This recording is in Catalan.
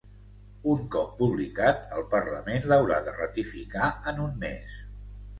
Un cop publicat, el parlament l’haurà de ratificar en un mes.